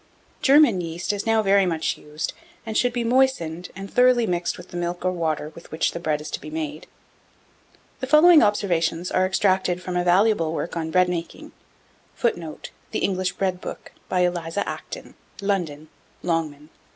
German yeast is now very much used, and should be moistened, and thoroughly mixed with the milk or water with which the bread is to be made. 1692. The following observations are extracted from a valuable work on Bread making, [Footnote: "The English Bread Book." By Eliza Acton. London: Longman.